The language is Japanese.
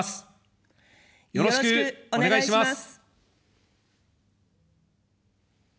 よろしくお願いします。